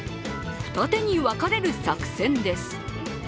二手に分かれる作戦です。